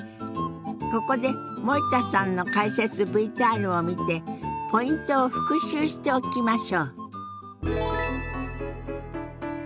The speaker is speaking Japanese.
ここで森田さんの解説ＶＴＲを見てポイントを復習しておきましょう。